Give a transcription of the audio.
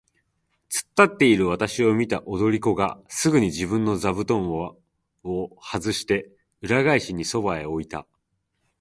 つっ立っているわたしを見た踊り子がすぐに自分の座布団をはずして、裏返しにそばへ置いた。